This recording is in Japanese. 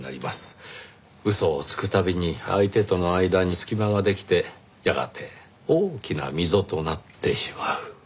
嘘をつく度に相手との間に隙間ができてやがて大きな溝となってしまう。